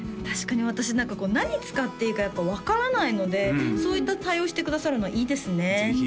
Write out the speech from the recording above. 確かに私何かこう何使っていいか分からないのでそういった対応してくださるのはいいですね